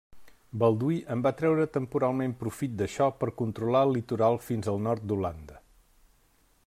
Balduí en va treure temporalment profit d'això per controlar el litoral fins al nord d'Holanda.